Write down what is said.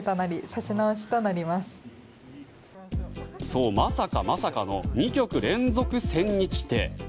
そう、まさかまさかの２局連続千日手。